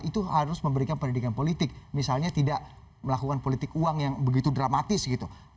itu harus memberikan pendidikan politik misalnya tidak melakukan politik uang yang begitu dramatis gitu